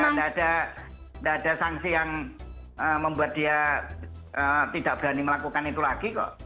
tidak ada tidak ada tidak ada sanksi yang membuat dia tidak berani melakukan itu lagi kok